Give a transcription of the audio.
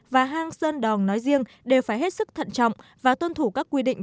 và hang sơn đòn nói riêng đều phải hết sức thận trọng và tuân thủ các quy định